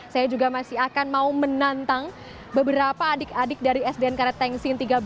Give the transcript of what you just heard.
saya juga masih akan mau menantang beberapa adik adik dari sdn karetteng sing tiga belas